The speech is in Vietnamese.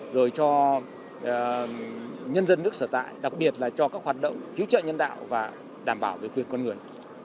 rồi cho nhân dân nước sở tại đặc biệt là cho các hoạt động cứu trợ nhân đạo và đảm bảo về quyền con người